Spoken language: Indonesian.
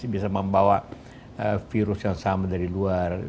bisa membawa virus yang sama dari luar